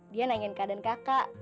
dia nanyain kak dan kakak